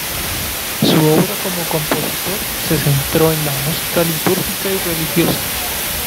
Su obra como compositor se centró en la música litúrgica y religiosa.